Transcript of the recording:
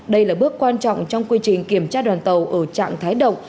đây là bước quan trọng trong quy trình kiểm tra đoàn tàu ở trạng thái động